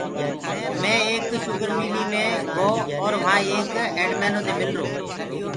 مي ايڪ شُگر ملي مي گو اور وهآنٚ ايڪ ايڊمينو دي مِلرو۔